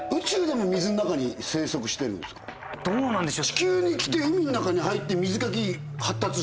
どうなんでしょう？